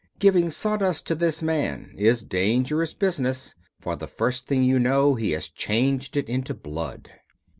Giving sawdust to this man is dangerous business, for the first thing you know he has changed it into blood.